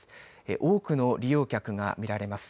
多くの利用客が見られます。